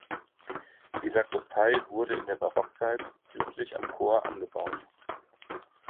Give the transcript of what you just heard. Die Sakristei wurde in der Barockzeit südlich am Chor angebaut.